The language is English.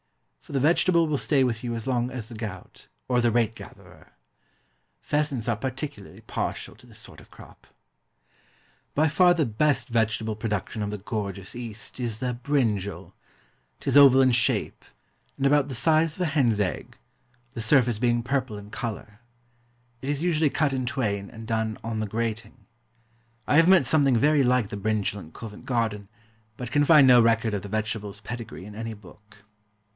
For the vegetable will stay with you as long as the gout, or the rate gatherer. Pheasants are particularly partial to this sort of crop. By far the best vegetable production of the gorgeous East is the Brinjal 'Tis oval in shape, and about the size of a hen's egg, the surface being purple in colour. It is usually cut in twain and done "on the grating"; I have met something very like the brinjal in Covent Garden; but can find no record of the vegetable's pedigree in any book.